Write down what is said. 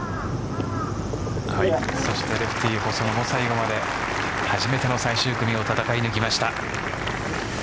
そしてレフティー細野も最後まで初めての最終組を戦い抜けました。